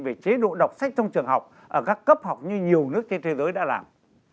về chế độ đọc sách trong trường học ở các cấp học như nhiều nước trên thế giới đã làm